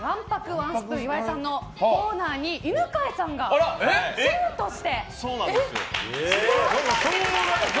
ワンスプーン岩井さんのコーナーに犬飼君がシェフとして。